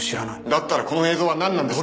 だったらこの映像は何なんですか。